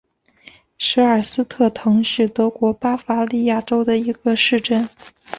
舍尔斯特滕是德国巴伐利亚州的一个市镇。